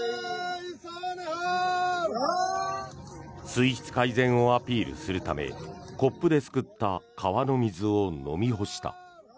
水質改善をアピールするためコップですくった川の水を飲みほした。